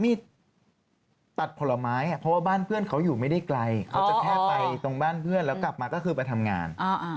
มีดตัดผลไม้เพราะว่าบ้านเพื่อนเขาอยู่ไม่ได้ไกลเขาจะแค่ไปตรงบ้านเพื่อนแล้วกลับมาก็คือไปทำงาน